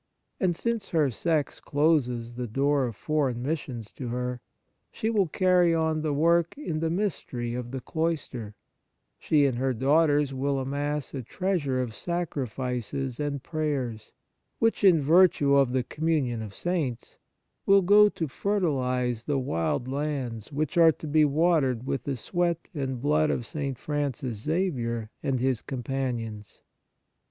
And since her sex closes the door of foreign mis sions to her, she will carry on the work in the mystery of the cloister ; she and her daughters will amass a treasure of sacrifices and prayers, which, in virtue of the communion of Saints, will go to fertilize the wild lands which are to be watered with 138 The Fruits of Piety the sweat and blood of St. Francis Xavier and his companions.